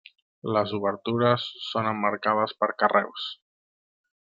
Les obertures són emmarcades per carreus.